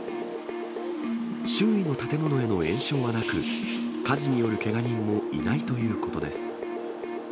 周囲の建物への延焼はなく、火事によるけが人もいないということです。